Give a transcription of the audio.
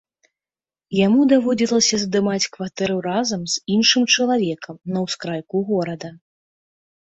Яму даводзілася здымаць кватэру разам з іншым чалавекам на ўскрайку горада.